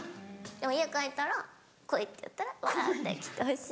でも家帰ったら「来い」って言ったらわぁって来てほしい。